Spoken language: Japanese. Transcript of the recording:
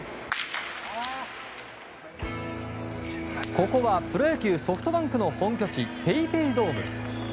ここはプロ野球ソフトバンクの本拠地ＰａｙＰａｙドーム。